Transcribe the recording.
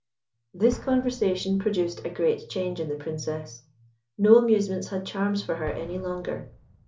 This conversation produced a great change in the Princess. No amusements had charms for her any longer.